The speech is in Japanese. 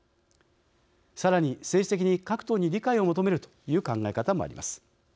さらに、政治的に各党に理解を求めるという考え方もあります。